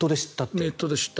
ネットで知った。